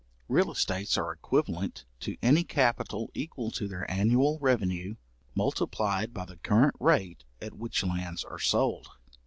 Real estates are equivalent to any capital equal to their annual revenue, multiplied by the current rate at which lands are sold.